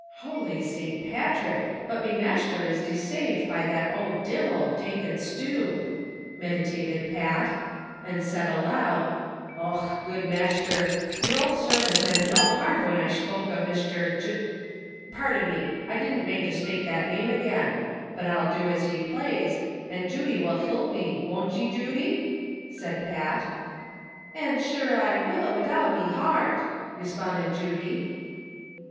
" Howly Sant Patrick, but me mashter is desaved by that ould divil, Dacon Stew," meditated Pat, and said aloud, "Och, good mashter, yer ould servant meant no harm whin I spok ov Mishter J , pardon me, I didn't mane to spake that name agin ; but I'll do as ye plaze, an' Judy will hilp me, wont ye, Judy ?" said Pat. "An' shure I will, wid all me hart," responded Judy.